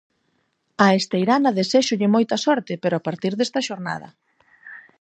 Á Esteirana deséxolle moita sorte pero a partir desta xornada.